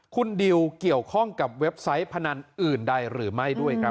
คุณดิวเกี่ยวข้องกับเว็บไซต์พนันอื่นใดหรือไม่ด้วยครับ